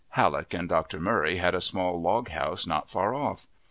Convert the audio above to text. Halleck and Dr. Murray had a small log house not far off.